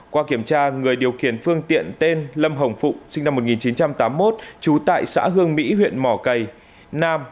qua kiểm tra người điều khiển phương tiện tên lâm hồng phụ sinh năm một nghìn chín trăm tám mươi một trú tại xã hương mỹ huyện mỏ cầy nam